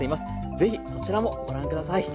ぜひこちらもご覧下さい。